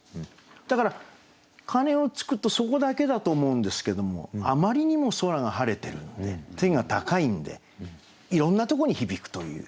だから鐘をつくとそこだけだと思うんですけどもあまりにも空が晴れてるので天が高いんでいろんなとこに響くという。